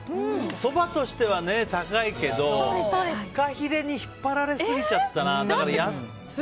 そばとしては高いけどフカヒレに引っ張られすぎちゃったな。